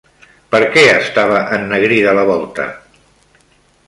Per què estava ennegrida la volta?